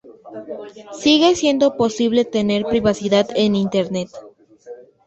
sigue siendo posible tener privacidad en Internet